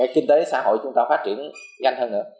kinh tế xã hội chúng ta phát triển nhanh hơn nữa